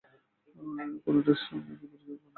কোনোটার সঙ্গে কি ফিরোজের বা নীলুর ব্যাপারগুলো মেলে?